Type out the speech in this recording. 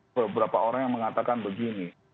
beberapa orang yang mengatakan begini